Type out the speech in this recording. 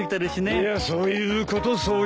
いやそういうことそういうこと。